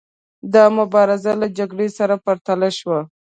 دا مبارزه له جګړې سره پرتله شوه.